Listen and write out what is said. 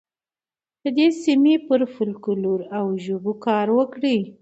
د دې سیمې پر فولکلور او ژبو کار وکړئ.